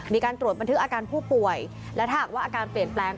มีการตรวจบันทึกอาการผู้ป่วยและถ้าหากว่าอาการเปลี่ยนแปลง